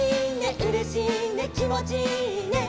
「うれしいねきもちいいね」